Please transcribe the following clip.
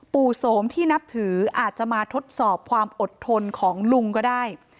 โสมที่นับถืออาจจะมาทดสอบความอดทนของลุงก็ได้